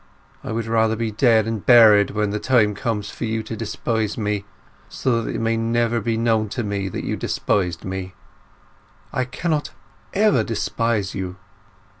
I would rather be dead and buried when the time comes for you to despise me, so that it may never be known to me that you despised me." "I cannot ever despise you."